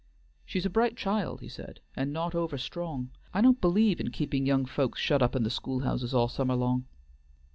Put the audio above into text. "She's a bright child," he said, "and not over strong. I don't believe in keeping young folks shut up in the schoolhouses all summer long."